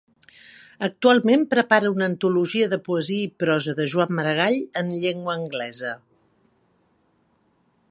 Actualment prepara una antologia de poesia i prosa de Joan Maragall en llengua anglesa.